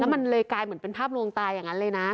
แล้วมันเลยกลายแบบเป็นภาพโรงตาอย่างนั้นเลยนะ